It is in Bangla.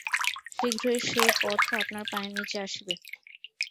শীঘ্রই সেই পথও আপনার পায়ের নীচে আসিবে।